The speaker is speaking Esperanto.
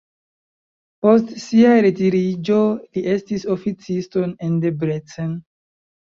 Post sia retiriĝo li estis oficisto en Debrecen.